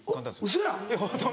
ウソやん！